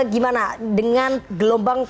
gimana dengan gelombang